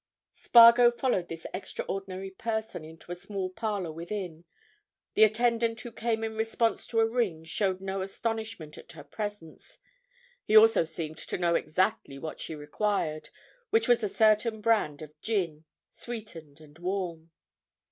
Spargo followed this extraordinary person into a small parlour within; the attendant who came in response to a ring showed no astonishment at her presence; he also seemed to know exactly what she required, which was a certain brand of gin, sweetened, and warm.